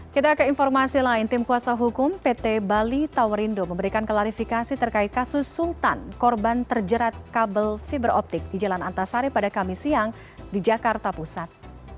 kita ke informasi lain tim kuasa hukum pt bali towerindo memberikan klarifikasi terkait kasus sultan korban terjerat kabel fiberoptik di jalan antasari pada kamis siang di jakarta pusat